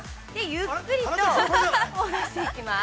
ゆっくりとおろしていきます。